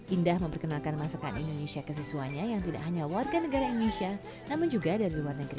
indah memperkenalkan masakan indonesia ke siswanya yang tidak hanya warga negara indonesia namun juga dari luar negeri